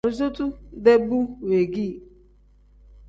Arizotu-dee bu weegii.